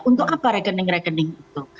untuk apa rekening rekening itu